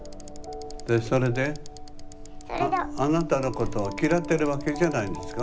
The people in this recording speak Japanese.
でそれであなたのことを嫌ってるわけじゃないんですか？